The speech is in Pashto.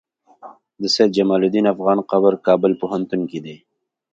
د سيد جمال الدين افغان قبر کابل پوهنتون کی دی